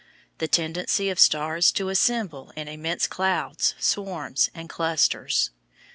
The tendency of stars to assemble in immense clouds, swarms, and clusters.